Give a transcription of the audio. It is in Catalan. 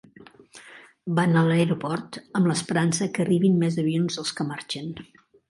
Van a l'aeroport amb l'esperança que arribin més avions dels que marxen.